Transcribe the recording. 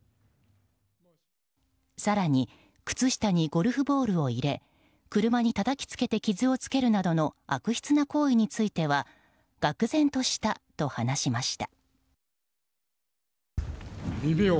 更に、靴下にゴルフボールを入れ車にたたきつけて傷をつけるなどの悪質な行為についてはがくぜんとしたと話しました。